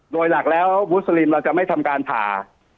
โดยหลักแล้วมุสลิมเราจะไม่ทำการผ่า